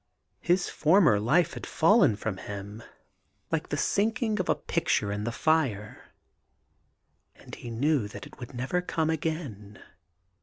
His former life had fallen from him like the sinking of a picture in the fire, and he knew that it would never come again.